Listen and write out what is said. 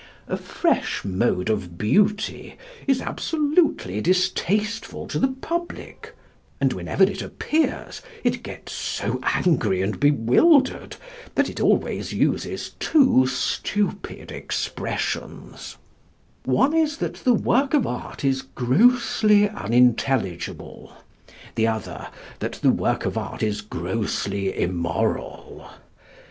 A fresh mode of Beauty is absolutely distasteful to the public, and whenever it appears it gets so angry and bewildered that it always uses two stupid expressions one is that the work of art is grossly unintelligible; the other, that the work of art is grossly immoral.